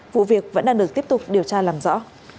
vụ việc vẫn đang được tiếp tục điều tra làm rõ